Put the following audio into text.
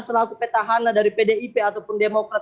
selaku petahana dari pdip ataupun demokrat